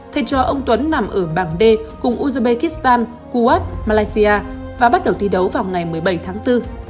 thay cho ông tuấn nằm ở bảng d cùng uzbekistan kuwait malaysia và bắt đầu thi đấu vào ngày một mươi bảy tháng bốn